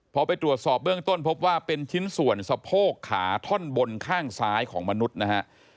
พอไปตรวจสอบเบื้องต้นพบว่าเป็นชิ้นส่วนสะโพกขาท่อนบนข้างซ้ายของมนุษย์นะฮะ